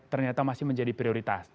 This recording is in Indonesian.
ternyata masih menjadi prioritas